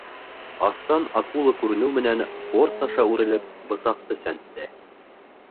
Аҫтан акула күренеү менән, борт аша үрелеп, бысаҡты сәнсте.